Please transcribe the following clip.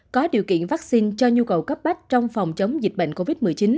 có điều kiện vaccine cho nhu cầu cấp bách trong phòng chống dịch bệnh covid một mươi chín